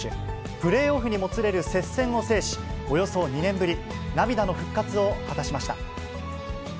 プレーオフにもつれる接戦を制し、およそ２年ぶり、涙の復活を果たしました。